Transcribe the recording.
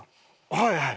はいはい。